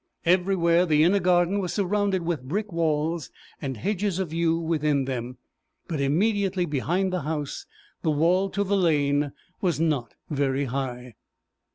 Everywhere the inner garden was surrounded with brick walls, and hedges of yew within them; but immediately behind the house, the wall to the lane was not very high.